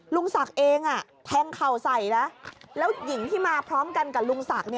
ลุงศักดิ์เองแทงเข่าใส่นะแล้วหญิงที่มาพร้อมกันกับลุงศักดิ์